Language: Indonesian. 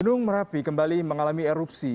gunung merapi kembali mengalami erupsi